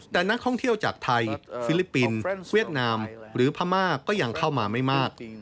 แต่นักท่องเที่ยวจากไทยฟิลิปปินส์เวียดนามหรือพม่าก็ยังเข้ามาไม่มาก